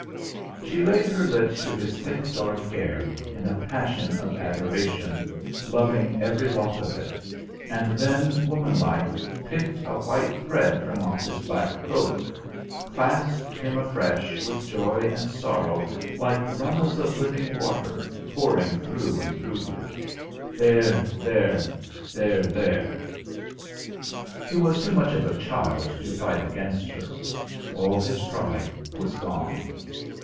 She laid her lips to his thick dark hair, in a passion of adoration, loving every lock of it; and then, woman like, picked a white thread from off his black coat; clasped him afresh, with joy and sorrow like runnels of living water pouring through and through her. "There, there, there, there!" He was too much of a child to fight against her: all his pride was gone.